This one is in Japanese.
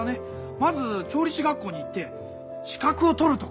まず調理師学校に行って資格を取るところから始める。